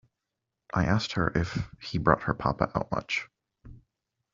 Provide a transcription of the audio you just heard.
I asked her if he brought her papa out much.